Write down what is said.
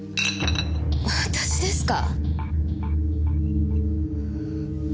私ですか？